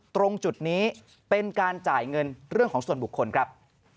ตรงจุดนี้เป็นการจ่ายเงินเรื่องของส่วนบุคคลครับ